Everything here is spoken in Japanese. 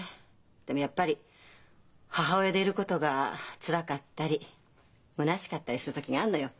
でもやっぱり母親でいることがつらかったりむなしかったりする時があるのよ。